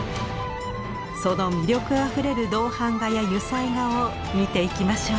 その魅力あふれる銅版画や油彩画を見ていきましょう。